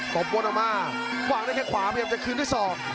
บนออกมาวางด้วยแค่ขวาพยายามจะคืนด้วยศอก